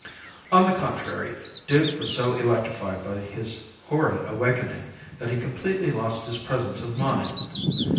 On the contrary, Duke was so electrified by his horrid awakening that he completely lost his presence of mind.